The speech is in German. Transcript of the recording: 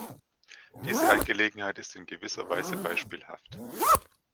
Diese Angelegenheit ist in gewisser Weise beispielhaft.